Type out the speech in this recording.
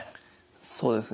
そうですね。